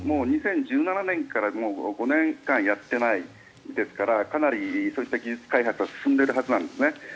２０１７年からもう５年間やっていないですからかなりそういった技術開発は進んでいるはずなんですね。